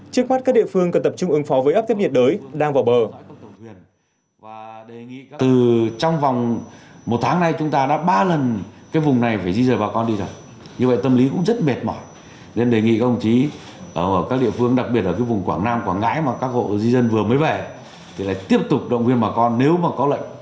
trước mắt các địa phương cần tập trung ứng phó với áp thấp nhiệt đới đang vào bờ